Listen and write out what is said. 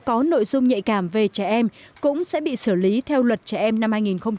có nội dung nhạy cảm về trẻ em cũng sẽ bị xử lý theo luật trẻ em năm hai nghìn một mươi chín